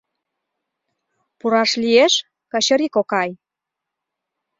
— Пураш лиеш, Качыри кокай?